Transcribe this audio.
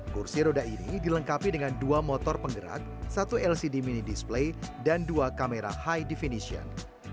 kursi roda ini dilengkapi dengan dua motor penggerak satu lcd mini display dan dua kamera high definition